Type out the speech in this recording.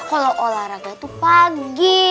kalau olahraga itu pagi